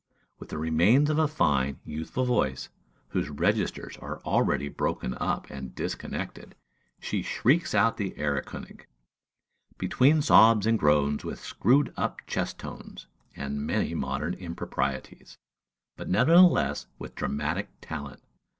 With the remains of a fine, youthful voice, whose registers are already broken up and disconnected, she shrieks out the "Erlkönig," between sobs and groans, with screwed up chest tones, and many modern improprieties, but nevertheless with dramatic talent.